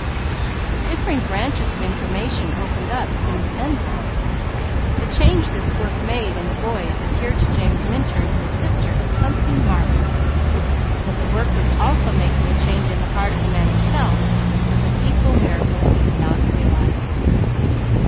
The differing branches of information opened up seemed endless. The change this work made in the boys appeared to James Minturn and his sister as something marvellous. That the work was also making a change in the heart of the man himself, was an equal miracle he did not realize.